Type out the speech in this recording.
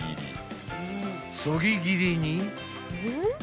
［そぎ切りに］